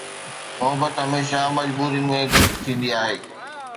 محبت هميشه مجبورين ۾ غرق ٿيندي آهي